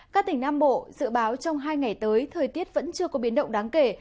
các tỉnh nam bộ dự báo trong hai ngày tới thời tiết vẫn chưa có biến động đáng kể